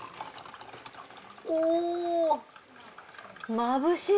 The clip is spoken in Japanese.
おまぶしい！